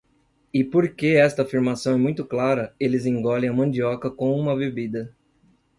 E porque esta afirmação é muito clara, eles engolem a mandioca com uma bebida.